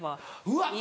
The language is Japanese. うわ！